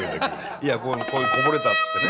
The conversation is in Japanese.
いや「こぼれた」っつってね。